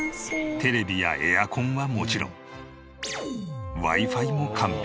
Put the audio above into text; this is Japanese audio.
テレビやエアコンはもちろんＷｉ−Ｆｉも完備。